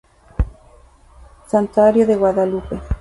Santuario de Guadalupe.